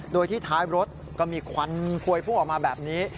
โดยที่ท้ายรถก็มีควันพวยพุ่งออกมาแบบนี้